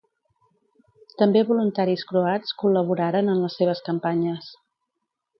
També voluntaris croats col·laboraren en les seves campanyes.